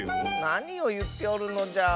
なにをいっておるのじゃ。